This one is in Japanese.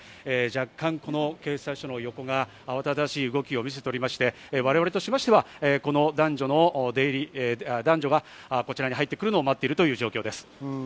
若干、警察署の横が慌ただしい動きを見せており、我々としては、この男女がこちらに入ってくるのを待っている状況です。